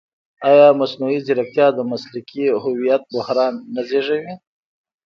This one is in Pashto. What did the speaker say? ایا مصنوعي ځیرکتیا د مسلکي هویت بحران نه زېږوي؟